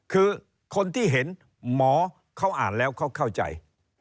คือคนที่เห็นหมอเขาอ่านแล้วเขาเข้าใจ